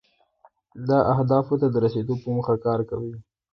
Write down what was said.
دا اهدافو ته د رسیدو په موخه کار کوي.